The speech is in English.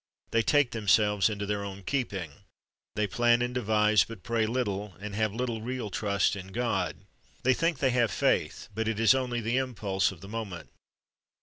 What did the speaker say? They take themselves into their own keeping. They plan and devise, but pray little, and have little real trust in God. They think they have faith, but it is only the impulse of the moment.